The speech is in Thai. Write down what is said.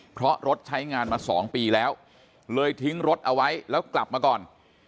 เพราะรถใช้งานมา๒ปีแล้วเลยทิ้งรถเอาไว้แล้วกลับมาก่อน